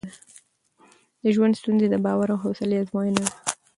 د ژوند ستونزې د باور او حوصله ازموینه ده.